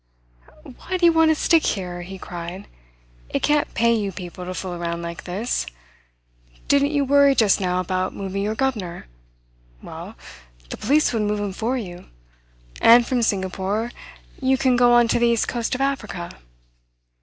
"Why do you want to stick here?" he cried. "It can't pay you people to fool around like this. Didn't you worry just now about moving your governor? Well, the police would move him for you; and from Singapore you can go on to the east coast of Africa."